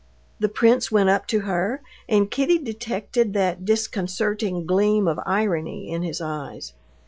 The prince went up to her, and Kitty detected that disconcerting gleam of irony in his eyes.